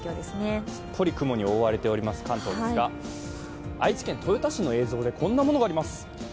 すっぽり雲に覆われている関東ですが、愛知県豊田市の映像でこんなものがあります。